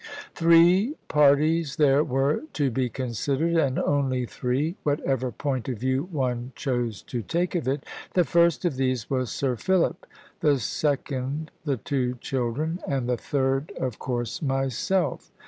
Three parties there were to be considered, and only three, whatever point of view one chose to take of it. The first of these was Sir Philip, the second the two children, and the third of course myself.